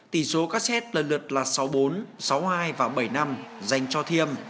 tỷ số các xét lần lượt là sáu bốn sáu hai và bảy năm dành cho thiem